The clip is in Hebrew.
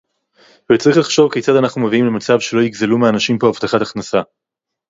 וצריך לחשוב כיצד אנחנו מביאים למצב שלא ייגזלו מהאנשים פה הבטחת הכנסה